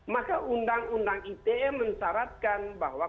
maka undang undang ite mensyaratkan bahwa